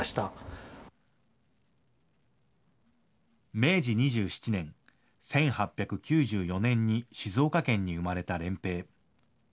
明治２７年・１８９４年に静岡県に生まれた漣平。